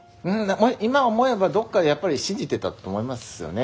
今思えばどっかでやっぱり信じてたと思いますよね。